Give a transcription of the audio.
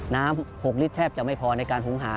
๖ลิตรแทบจะไม่พอในการหุงหา